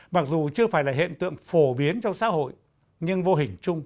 mặc dù chưa phải là hiện tượng phổ biến trong xã hội